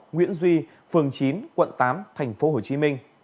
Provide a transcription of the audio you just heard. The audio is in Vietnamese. nguyễn duy phường chín quận tám tp hcm